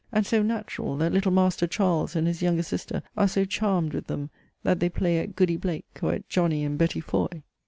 and so natural, that little master Charles and his younger sister are so charmed with them, that they play at "Goody Blake," or at "Johnny and Betty Foy!"